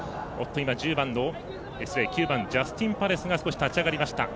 ９番ジャスティンパレスが少し立ち上がりました。